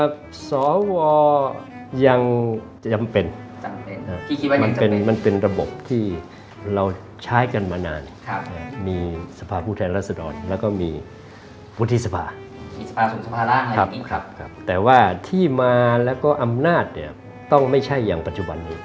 อโธ่สวอยังจำเป็นมันเป็นระบบที่เราใช้กันมานานมีสภาพูดไทยรัศดรแล้วก็มีวุฒิสภาแต่ว่าที่มาแล้วก็อำนาจต้องไม่ใช่อย่างปัจจุบันนี้